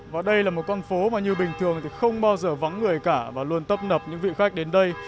và đây là một con phố mà như bình thường thì không bao giờ vắng người cả và luôn tấp nập những vị khách đến đây